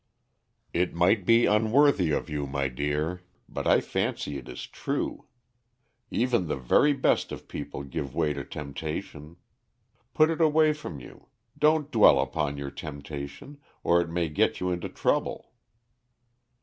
"It might be unworthy of you, my dear, but I fancy it is true. Even the very best of people give way to temptation. Put it away from you; don't dwell upon your temptation, or it may get you into trouble."